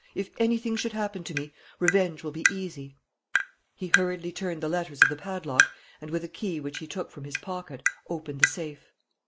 If anything should happen to me, revenge will be easy." He hurriedly turned the letters of the padlock and, with a key which he took from his pocket, opened the safe.